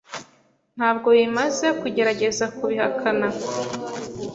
Ntabwo bimaze kugerageza kubihakana.